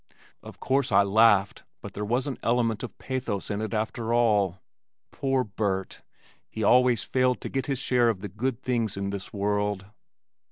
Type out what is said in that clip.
Of course I laughed but there was an element of pathos in it after all. Poor Burt! He always failed to get his share of the good things in this world.